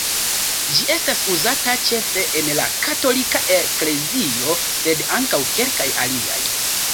Ĝi estas uzata ĉefe en la katolika eklezio, sed ankaŭ kelkaj aliaj.